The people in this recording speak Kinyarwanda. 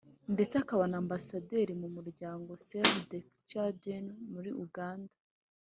ndetse akaba na Ambasaderi w'umuryango Save the Children muri Uganda